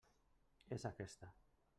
És aquesta.